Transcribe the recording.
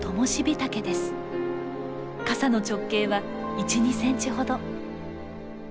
傘の直径は１２センチほど。